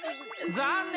残念！